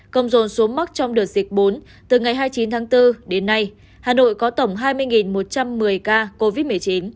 công rồn xuống mắc trong đợt dịch bốn từ ngày hai mươi chín tháng bốn đến nay hà nội có tổng hai mươi một trăm một mươi ca covid một mươi chín